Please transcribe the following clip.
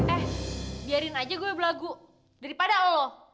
eh biarin aja gue belagu daripada lo